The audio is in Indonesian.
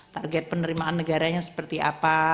target penerimaan negaranya seperti apa